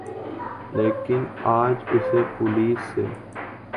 لیکن اج اسے پولیس سے